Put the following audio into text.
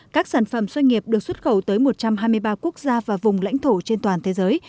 các sản phẩm doanh nghiệp được xuất khẩu tới một trăm hai mươi ba quốc gia và vùng lãnh thổ trên toàn thế giới